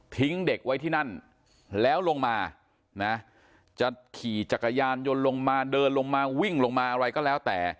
เด็กไว้ที่นั่นแล้วลงมานะจะขี่จักรยานยนต์ลงมาเดินลงมาวิ่งลงมาอะไรก็แล้วแต่